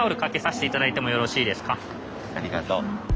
ありがとう。